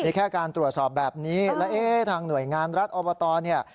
มีแค่การตรวจสอบแบบนี้แล้วเอ๊ะทางหน่วยงานรัฐอบตเนี่ย